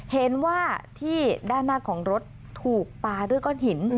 เห็นว่าที่ด้านหน้าของรถถูกปลาด้วยก้อนหิน